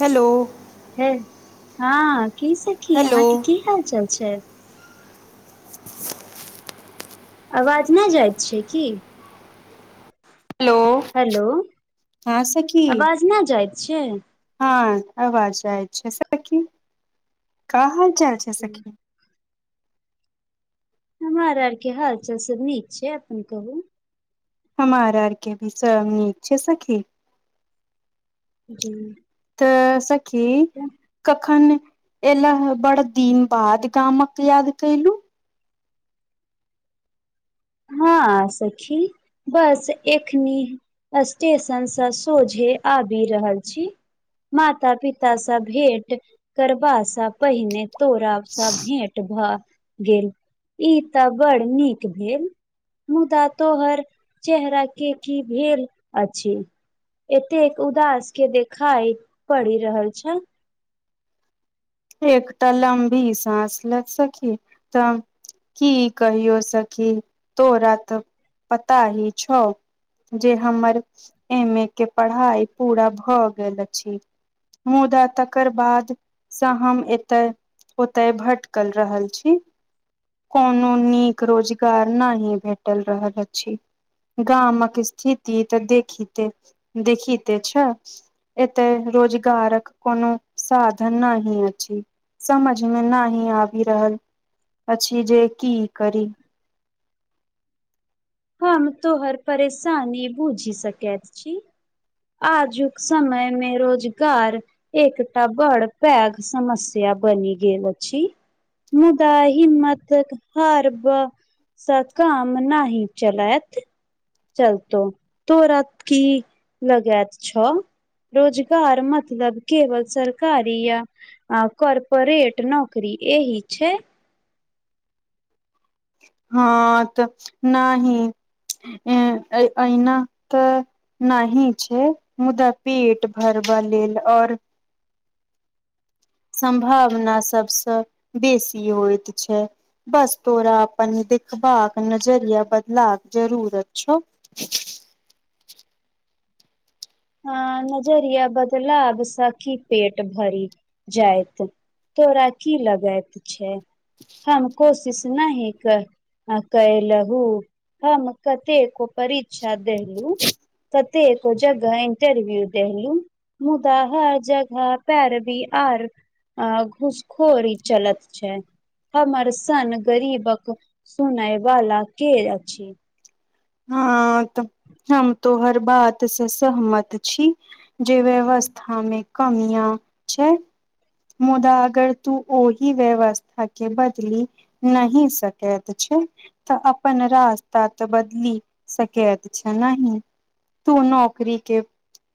hello हे हँ की सखी हेलो अहाँके की हाल चाल छै आवाज नहि जाइत छै की हेलो हेलो हँ सखी आवाज न जाइत छै हँ आवाज जाइ छै सखी का हाल चाल छै सखी हमर आर के हाल चाल सब नीक छै अपन कहू हमार आरके भी सब नीक छै सखी जी तऽ सखी कखन एलहुं बड़ दिन बाद गामक याद केलु हँ सखी बस एखनी स्टेशनसँ सोझे आबि रहल छी माता पिता स भेट करबा सऽ पहिने तोरा सब भेंट भए गेल ई तऽ बड़ नीक भेल मुदा तोहर चेहरा के की भेल अछि एतेक उदास के देखाय पड़ि रहल छै एकटा लम्बी सांस लेत सकी त की कहियौ सखी तोरात पता ही छ जे हमर एम ए के पढ़ाई पूरा भऽ गेल अछि मुदा तकर बाद सँ हम एतय ओतय भट्कल रहल छी कोनो नीक रोजगार नाहि भेटल रहल अछि गामक स्थिति तऽ देखिते देखिते छ एते रोजगारक कोनो साधन नहि अछि समझ मे न ही आबि रहल अछि जे की करी हम तोहर परेशानी बूझी सकैत छी आजुक समय मे रोजगार एकटा बड़ पैघ समस्या बनि गेल अछि मुदा हिम्मतेक हारब स काम नहि चलत चलतो तोरा की लगेत छ रोजगार मतलब केवल सरकारी या आ काॅरपरेट नौकरी एही छै हँ ऽ त नाहि अ अऐना तऽ नहि छै मुदा पेट भरब लेल आओर सम्भवना सभसँ बेसी होइत छै बस तोरा अपन देखिबाक नजरिया बदला जरूर छौ [inaudible] हाँ नजरिया बदलाब सऽ कि पेट भरि जायइत तोरा की लगैत छै हम कोशिश नहि कर आ कै लहु हम कते कोप री श्रद्धू सत [unintelligible] इंटरव्यू देहलू मुदा हर जगह पेरबी आर आ घूसखोरी चलत छै हमर सन गरीबक सुनय वाला के अछि हँ तऽ हम तोहर बात स सहमत छी जे व्यवस्था मे कमिया छै मुदा अगर तू ओहि व्यवस्था के बदलि नही सकैत छैय तऽ अपन रास्ता तऽ बदीली सकैत छै नहि तू नौकरी के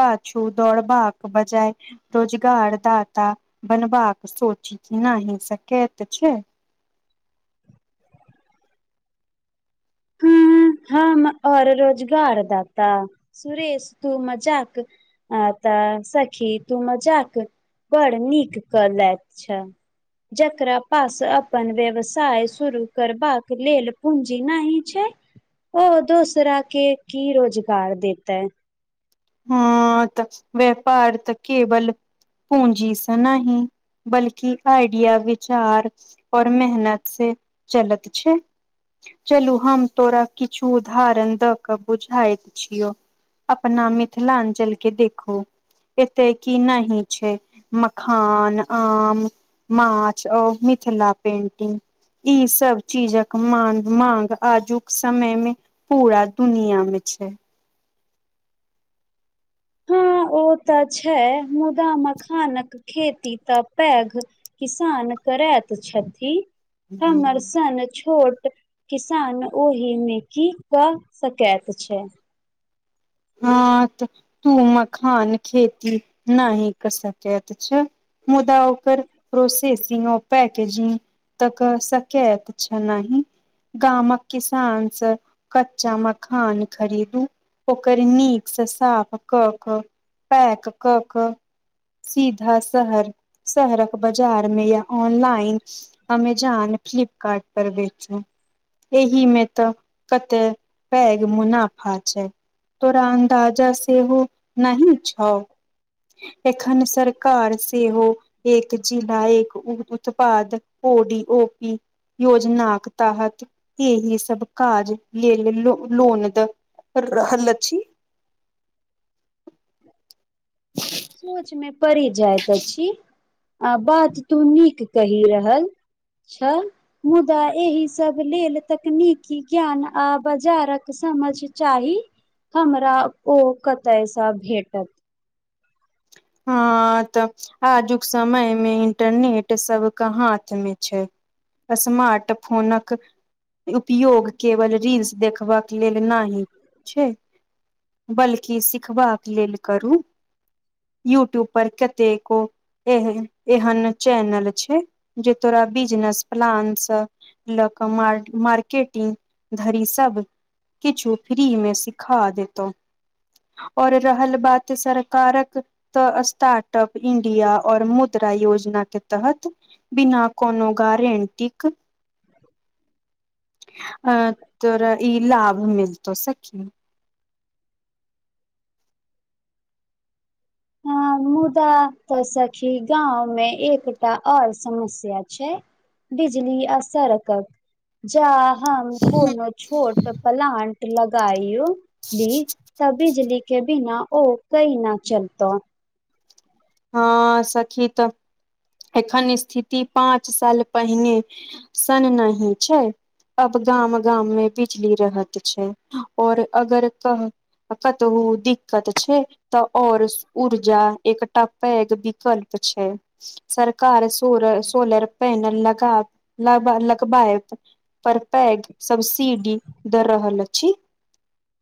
पछू दौड़बाक बजाय रोजगार दाता बनबाका सोची ना ही सकैत छै हँ हम और रोजगार दाता सुरेश तू मजाक आ तऽ सखी तू मजाक बड़ नीक क लैत छ जकरा पास अपन व्यवसाय शुरु करबाक लेल पूँजी नहि छै ओ दूसरा के की रोजगार देता य हँ तऽ व्यापार तऽ केवल पूँजीस नहि बल्कि आइडिया विचार और मेहनत से चलत छै चलू हम तोरा किछु उदाहरण दऽ कऽ बुझाइत छियौ अपना मिथिलानचलके देखु एते की नहि छै मखान आम माछ औ मिथिला पेंटिंग ई सब चीजक मा मांग आजुक समय मे पूरा दुनिया मे छै हां ओ तऽ छै मुदा मखानक खेती तऽ पैघ किसान करैत छथि हमर सन छोट किसान ओहि मे की क सकैत छै हँ त तू मखान खेती नाहि कर सकेत छ मुदा ओकर प्रोसेसि नो पैके तऽ क सकेत छ नाहि गामक किसानसँ कच्चा मखान खरीदू ओकर नीकसँ साफ कऽ कऽ पैक कऽ कऽ सीधा शहर शहरक बाजार मे या ऑनलाइन अमेजॉन फ्लिपकार्ड पर बेचू एहिहमे तऽ कते पैघ मुनाफा छै तोरा अन्दाजा सेहो नाहि छौ एखन सरकार सेहो एक चिला एक उत्पाद ओडी ओ पी योजनाक तहत एही सब काज ले ल ल लोन द रहल अछि सोचमे पड़ि जाइत अछि आ बात तू नीक कहि रहल छ मुदा एहिसभ लेल तकनीकी ज्ञान आ बाजारक समझ चाही हमरा ओ कतयसँ भेटल हँ तऽ आजुक समय मे इंटरनेट सबकऽ हाथ मे छै स्मार्ट फोनक उपयोग केवल रील्स देखबाक लेल नहि छै बल्कि सिखबाक लेल करू यूट्यूब पर कतेको ए एहन चैनल छै जे तोरा बिजनेस प्लानस लऽ कऽ मार मार्केटिंग धरी सब किछु फ्रीमे सिखा देतउ आऔर रहल बात सरकारक तऽ स्टार्ट अप इं्डिया और मुद्रा योजना के तहत बिना कोनो गारंटिक अ तोरा ई लाभ मिलतौ सखी हँ मुदा तऽ सखी गाँंव में एकटा और समस्या छै बिजली आ सड़कक जा हम कोनो छोट प्लांट लगायो ली तऽ बिजली के बिना ओ कईना चलतो हँ सखी तऽ एखन स्थिति पाँच साल पहिनै सन नही छै अब गाम गाम मे बिजली रहत छै और अगर कह कतहु दिक्कत छै तऽ और ऊर्जा एक आ पैघ विकल्प छै सरकार सोल सोलर पैनल लगा ल लगबाएत पर पैग सब्सिडी द रहल अछि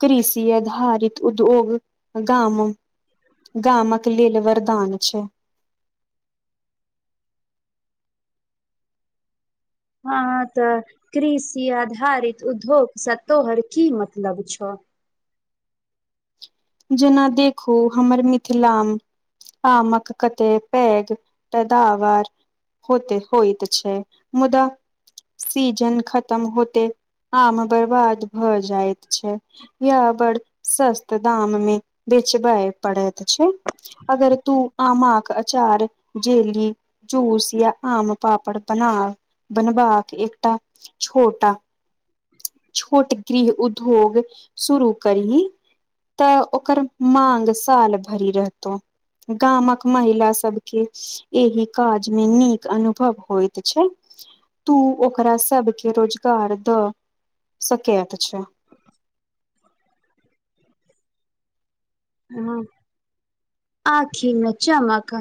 कृषि आधारित उद्योग गाम गामक लेल वरदान छै हँ तऽ कृषि आधारित उद्योग स तोहर की मतलब छौ जेना देखू हमर मिथिलामे कमक कते पैघ पैदावार होतै होइत छै मुदा सीजन खतम होते आम बर्बाद भऽ जाइत छै य बड़ सस्त दाम मे बेचबय पड़ैत छै अगर तू आमक आचार जेली जूस या आम पापड़ बना बनवा कऽ एकटा छोटा छोट गृह उद्योग शुरू करी तऽ ओकर माँग साल भरि रहतो गामक महिला सबके एहि काज मे नीक अनुभव होइत छै तू ओकरा सबके रोजगार दऽ सकैत छै [inaudible] हँ आखिमे चमक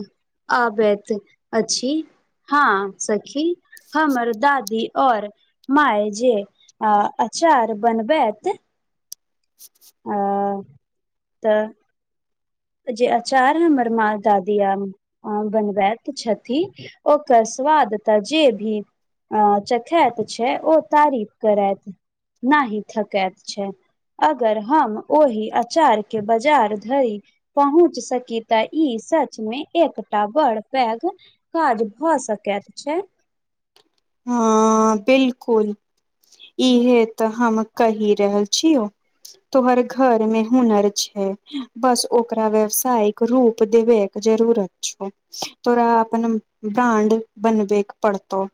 आबत अछि हँ सखी हमर दादी और माय जे अऽ अचार बनबैत आ तऽ जे अचार हमर म दादी या अ बनबैत छथि ओकर स्वाद तऽ जे भी अ चखत छै ओ तारीफ करैत ना ही थकैत छै अगर हम ओहि अचार के बाजार धरि पहुँच सकी तऽ ई सच मे एकटा बड़ पैघ काज भए सकैत छै हँ बिलकुल इहे तऽ हम कहि रहल छियौ तोहर घर मे हुनर छै बस ओकरा व्यावसायिक रूप देबे जरूरत छौ तोरा अपनन ब्रांड बनबैक पड़तौ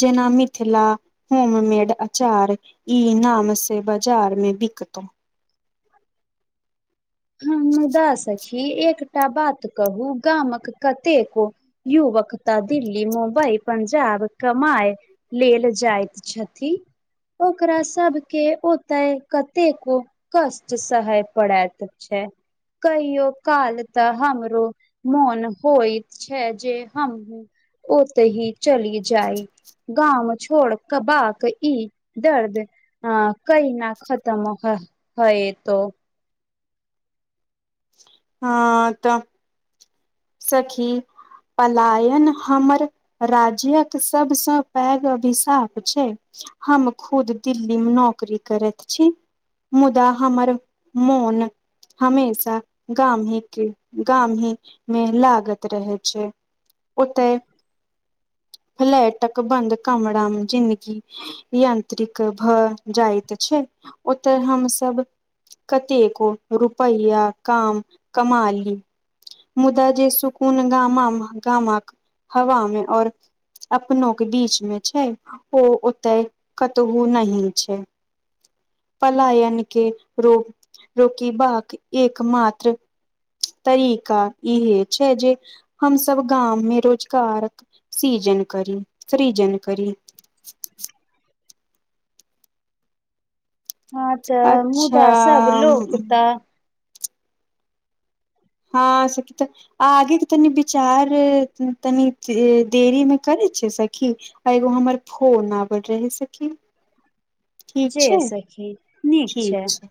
जेना मिथिला होम मेड अचार इ नाम से बाजार मे बिकतौ [inaudible] हम मुदा सखी एकटा बात कहू गामक कतेक युवक दिल्ली मुम्बई पंजाब कमाय लेल जाइत छथिन ओकरा सब केँ ओते कतेको कष्ट सहे पड़त छै कहियो काल तऽ हमरो मोन होइत छै जे हम ओत ही चली जाइ गाम छोड़ कऽ बाक ई दर्द अ कई न खत्म होइ तो हँ तऽ सखी पलायन हमर राज्यक सबसँ पैघ अभिशाप छै हम खुद दिल्ली मे नौकरी करैत छी मुदा हमर मौन हमेशा गाम ही गाम ही मेल लागत रहै छै ओते फलैटक बन्द कामरा मे जिन्गी यंत्रिक भऽ जाइत छै ओतय हमसभ कते को रुपैया काम कमाली मुदा जे सुकून गामा मऽ गामक हवामे अइ अपनो के बीच मे छै ओ ओते कतहु नहि छै पलायन के रोग रोकी बाक एक मात्र तरीका इहे छै जे हमस गाममे रोजगार सिजन करी सृजन करी हँ तऽ मुदा सब लोक अच्छा तऽ हँ सक त आ आगेके तनि विचार तनि देरी मे करै छिय सखी आ एगो हमर फोन आवे रहे सखी ठीक जे छै सखी नीक ठीक छै